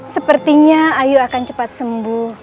sepertinya ayu akan cepat sembuh